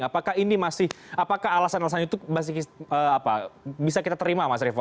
apakah ini masih apakah alasan alasan itu masih bisa kita terima mas revo